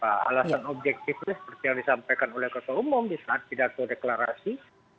alasan objektif itu seperti yang disampaikan oleh ketua umum di saat tidak tereklarasi